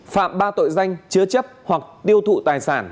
phạm ba tội danh chứa chấp hoặc tiêu thụ tài sản